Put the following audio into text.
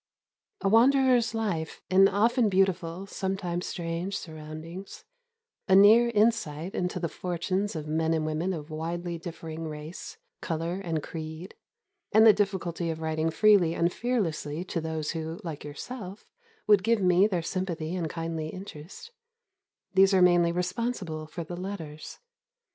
A wanderer's life in often beautiful, sometimes strange, surroundings; a near insight into the fortunes of men and women of widely differing race, colour, and creed; and the difficulty of writing freely and fearlessly to those who, like yourself, would give me their sympathy and kindly interest these are mainly responsible for the Letters.